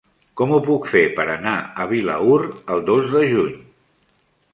Com ho puc fer per anar a Vilaür el dos de juny?